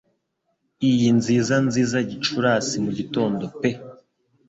Iyi nziza nziza Gicurasi-mugitondo pe